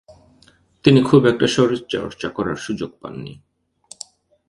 তিনি খুব একটা শরীর চর্চা করার সুযোগ পাননি।